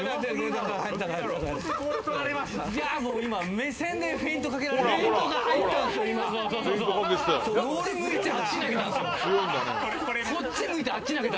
目線でフェイントかけられてた。